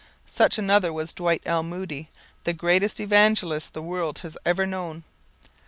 Such another was Dwight L. Moody, the greatest Evangelist the world has ever known.